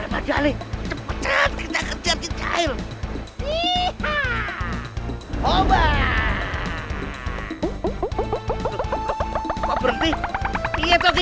remaja nih cepetan kita kejar jahir iyaa coba kok berhenti iya toki